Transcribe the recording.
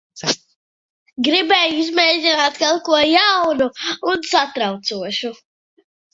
Gribēju izmēģināt kaut ko jaunu un satraucošu.